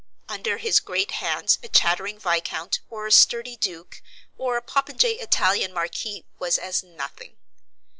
Under his great hands a chattering viscount, or a sturdy duke, or a popinjay Italian marquis was as nothing.